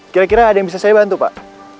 kira kira ada yang bisa saya bantu pak